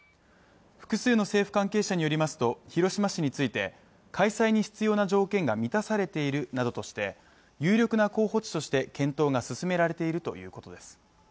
複数の政府関係者によりますと広島市について、開催に必要な条件が満たされているなどとして有力な候補地として検討が進められているということです。